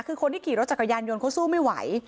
คือคนที่ขี่รถจักรยานยนต์เขาสู้ไม่ไหว